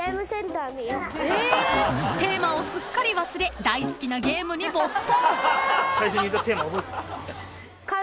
［テーマをすっかり忘れ大好きなゲームに没頭］